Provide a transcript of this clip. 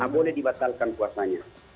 boleh dibatalkan puasanya